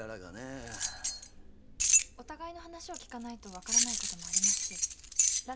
お互いの話を聞かないと分からないこともありますし羅